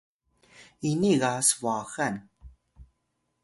ini ga sbwaxan